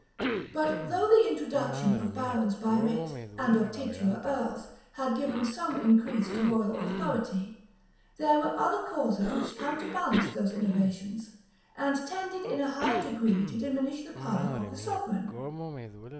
But though the introduction of barons by writ, and of titular earls, had given some increase to royal authority, there were other causes which counterbalanced those innovations, and tended in a higher degree to diminish the power of the sovereign.